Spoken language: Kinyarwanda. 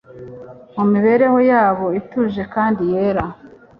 Mu mibereho yabo ituje kandi yera,